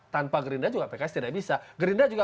tanpa gerindra juga pks tidak bisa gerindra juga